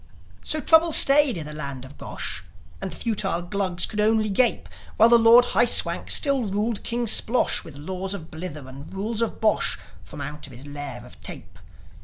So trouble stayed in the land of Gosh; And the futile Glugs could only gape, While the Lord High Swank still ruled King Splosh With laws of blither and rules of bosh, From out his lair of tape.